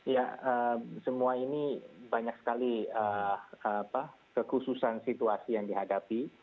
ya semua ini banyak sekali kekhususan situasi yang dihadapi